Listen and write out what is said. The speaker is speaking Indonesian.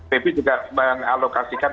tapi juga mengalokasikan